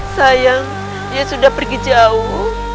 sayang dia sudah pergi jauh